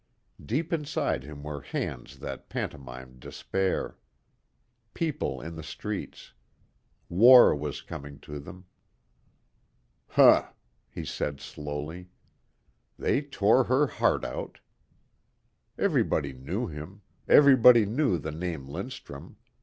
Deep inside him were hands that pantomimed despair. People in the streets. War was coming to them. "Huh," he said slowly, "they tore her heart out." Everybody knew him. Everybody knew the name Lindstrum.